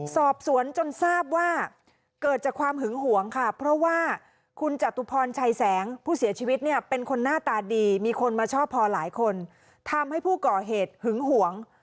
สอบสวนจนทราบว่าเกิดจากความหึงหวงค่ะเพราะว่าคุณจตุพรชัยแสงผู้เสียชีวิตเนี่ยเป็นคนหน้าตาดีมีคนมาชอบพอหลายคนทำให้ผู้ก่อเหตุหึงหวง